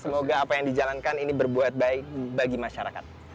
semoga apa yang dijalankan ini berbuat baik bagi masyarakat